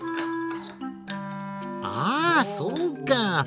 ああそうか！